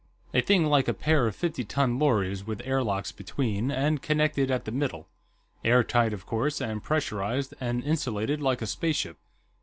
"A thing like a pair of fifty ton lorries, with airlocks between, and connected at the middle; airtight, of course, and pressurized and insulated like a spaceship.